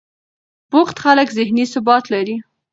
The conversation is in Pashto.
بوخت خلک ذهني ثبات لري.